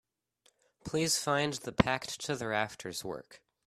Please find the Packed to the Rafters work.